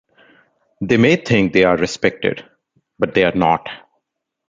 They may think they are respected, but they are not.